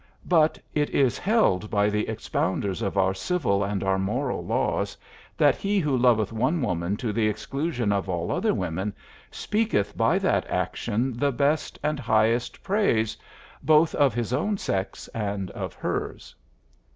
But it is held by the expounders of our civil and our moral laws that he who loveth one woman to the exclusion of all other women speaketh by that action the best and highest praise both of his own sex and of hers.